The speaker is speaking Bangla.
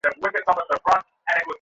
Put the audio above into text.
দুঃখিত, তোমাকে একটু অসম্মান করেছি।